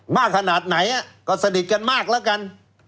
มากขนาดไหนก็สนิทกันมากแล้วกัน